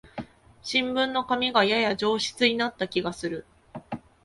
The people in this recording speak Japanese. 新聞の紙がやや上質になった気がする